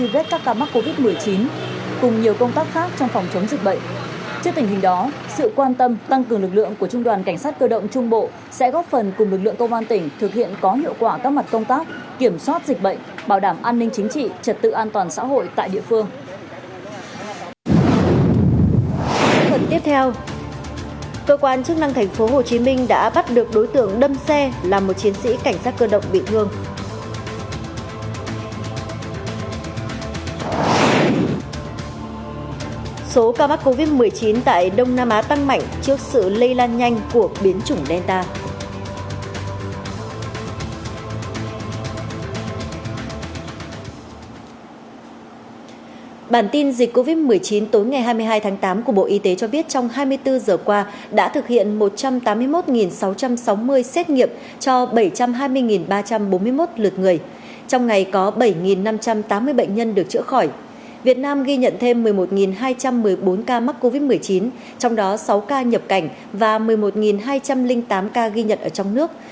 việt nam ghi nhận thêm một mươi một hai trăm một mươi bốn ca mắc covid một mươi chín trong đó sáu ca nhập cảnh và một mươi một hai trăm linh tám ca ghi nhận ở trong nước